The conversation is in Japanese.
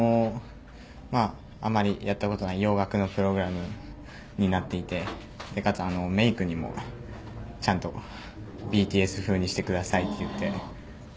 あまりやったことのない洋楽のプログラムになっていてかつメイクにもちゃんとＢＴＳ風にしてくださいと言って。